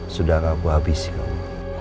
sudahkah aku habisi kamu